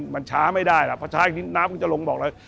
มันช้าไม่ได้ล่ะเพราะช้าอีกนิดน้ำคงจะลงบอกเลย